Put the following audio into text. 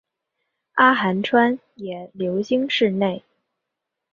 阿寒川也流经市内。